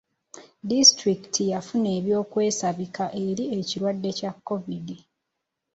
Disitulikiti yafuna eby'okwesabika eri ekirwadde kya covid.